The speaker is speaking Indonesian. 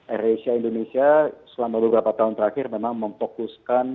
air asia indonesia selama beberapa tahun terakhir memang memfokuskan